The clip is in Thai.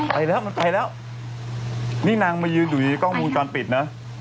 ไปแล้วมันไปแล้วมันไปแล้ว